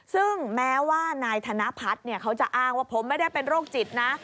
ซึ่งแม้ว่านายธนพัฒน์เขาจะอ้างว่าผมไม่ได้เป็นโรคจิตนะ